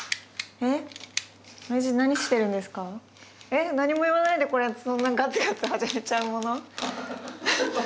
えっ何も言わないでこれそんなガツガツ始めちゃうもの？